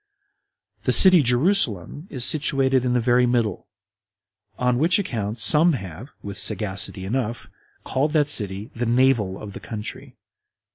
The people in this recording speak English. The city Jerusalem is situated in the very middle; on which account some have, with sagacity enough, called that city the Navel of the country.